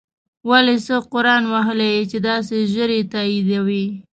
ولی څه قرآن وهلی یی چی داسی ژر یی تاییدوی